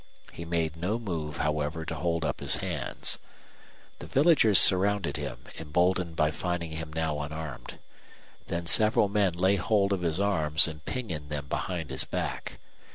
He made no move, however, to hold up his hands. The villagers surrounded him, emboldened by finding him now unarmed. Then several men lay hold of his arms and pinioned them behind his back.